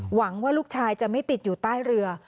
หวังว่าลูกชายจะไม่ติดอยู่ใต้เรือ